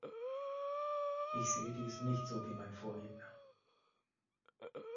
Ich sehe dies nicht so, wie mein Vorredner.